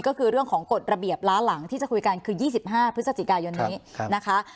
ก็คือเรื่องของกฎระเบียบล้าหลังที่จะคุยกันคือ๒๕พฤศจิกายนนี้นะคะ